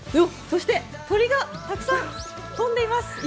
そして、鳥がたくさん飛んでいます